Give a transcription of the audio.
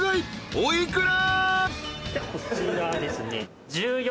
お幾ら？］